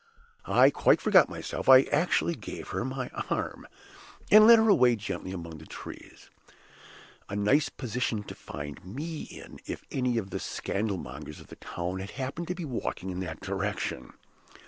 I quite forgot myself; I actually gave her my arm, and led her away gently among the trees. (A nice position to find me in, if any of the scandal mongers of the town had happened to be walking in that direction!)